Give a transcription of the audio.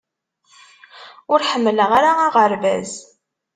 Ur ḥemmleɣ ara aɣerbaz